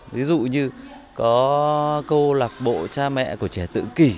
ví dụ như có câu lạc bộ cha mẹ của trẻ tự kỷ